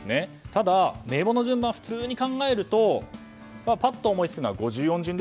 ただ名簿の順番は普通に考えるとパッと思いつくのは５０音順。